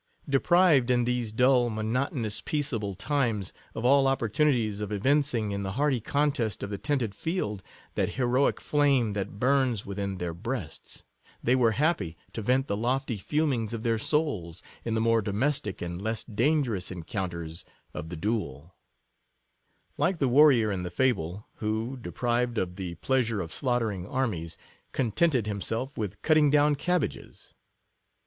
65 Deprived, in these dull, monotonous, peace able times, of all opportunities of evincing, in the hardy contest of the tented field, that he roic flame that burns within their breasts; they were happy to vent the lofty fumings of their souls, in the more domestic and less dangerous encounters of the duel :— like the warrior in the fable, who, deprived of the pleasure of slaughtering armies, contented himself with cutting down cabbages.